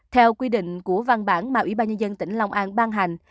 theo quy định của văn bản mà ủy ban nhân dân tỉnh long an ban hành